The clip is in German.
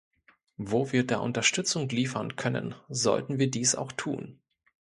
Wo wir da Unterstützung liefern können, sollten wir dies auch tun.